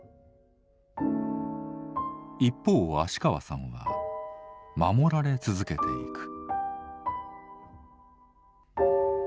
一方芦川さんは守られ続けていく。